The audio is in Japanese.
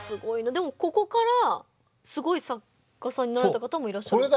でもここからすごい作家さんになられた方もいらっしゃるんですか？